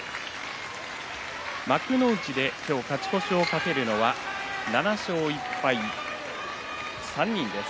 幕内で今日勝ち越しを懸けるのは７勝１敗、３人です。